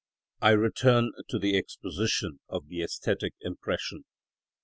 § 42. I return to the exposition of the æsthetic impression.